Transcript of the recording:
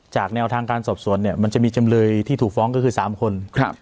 แนวทางการสอบสวนเนี่ยมันจะมีจำเลยที่ถูกฟ้องก็คือ๓คน